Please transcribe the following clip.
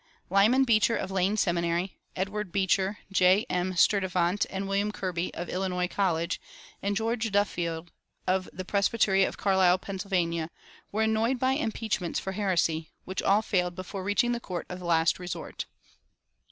Lyman Beecher, of Lane Seminary, Edward Beecher, J. M. Sturtevant, and William Kirby, of Illinois College, and George Duffield, of the presbytery of Carlisle, Pa., were annoyed by impeachments for heresy, which all failed before reaching the court of last resort.